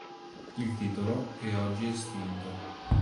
Il titolo è oggi estinto.